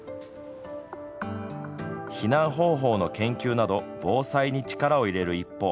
避難方法の研究など防災に力を入れる一方